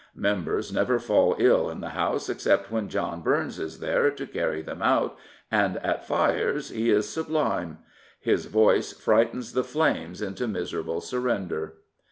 Members never fall ill in the House except when John Burns is there to carry them out, and at fires he is sublime. His voice frightens the flames into miserable surrender.